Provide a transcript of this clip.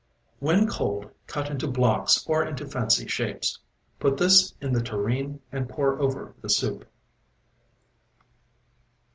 When cold cut into blocks or into fancy shapes. Put this in the tureen and pour over the soup.